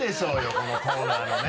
このコーナーのね。